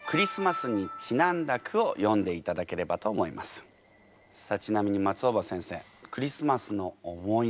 本日はさあちなみに松尾葉先生